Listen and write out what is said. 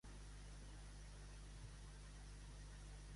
Qui per frau nou, per frau pereix.